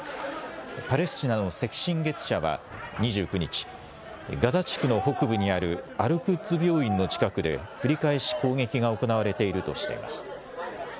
パレスチナの赤新月社は２９日、ガザ地区の北部にあるアルクッズ病院の近くで、繰り返し攻撃が行われているとしています。